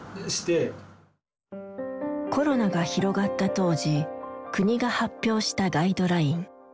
コロナが広がった当時国が発表したガイドライン。